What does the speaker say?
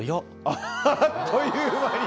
あっという間に！